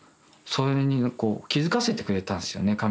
それにこう気付かせてくれたんですよね